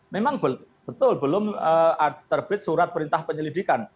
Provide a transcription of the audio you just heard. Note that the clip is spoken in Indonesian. memang betul belum terbit surat perintah penyelidikan